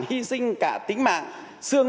hy sinh cả tính mạng xương